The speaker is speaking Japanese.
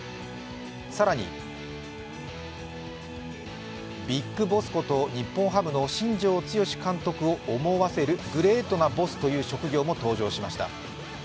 更にＢＩＧＢＯＳＳこと、日本ハムの新庄剛志監督を思わせるグレートなボスという職業も登場しました。